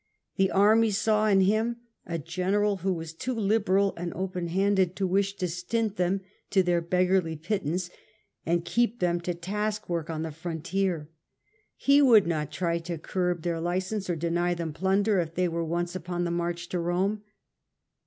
The army saw in him a general who was too liberal and open handed to wish to stint them to their beggarly pit tance and keep them to taskwork on the frontier. He would not try to curb theii license or deny them plunder if they were once upon the march to Rome.